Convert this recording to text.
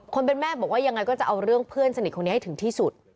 แม่บอกว่ายังไงก็จะเอาเรื่องเพื่อนสนิทคนนี้ให้ถึงที่สุด